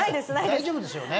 大丈夫ですよね？